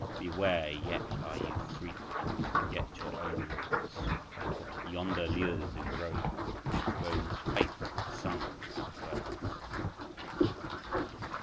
Beware, yet are you free, yet your own Lords. What yonder lures is Rome, Rome's faith sung without words.